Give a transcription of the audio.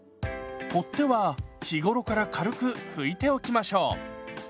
取っ手は日頃から軽く拭いておきましょう。